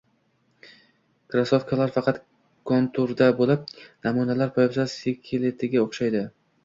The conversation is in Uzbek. Krossovkalar faqat konturda bo‘lib, namunalar poyabzal skeletiga o‘xshaydi